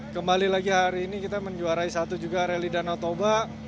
kembali lagi hari ini kita menjuarai satu juga rally danau toba